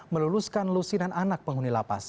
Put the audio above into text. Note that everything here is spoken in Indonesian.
meluluskan lusinan anak penghuni lapas